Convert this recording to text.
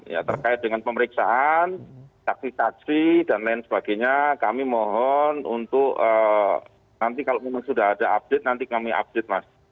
ya terkait dengan pemeriksaan saksi saksi dan lain sebagainya kami mohon untuk nanti kalau memang sudah ada update nanti kami update mas